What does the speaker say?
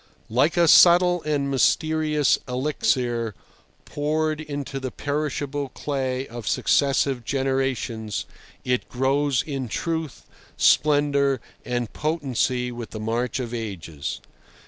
Like a subtle and mysterious elixir poured into the perishable clay of successive generations, it grows in truth, splendour, and potency with the march of ages.